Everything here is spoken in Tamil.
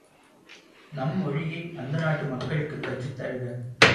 நம் மொழியை அந்த நாட்டு மக்களுக்குக் கற்றுத் தருக!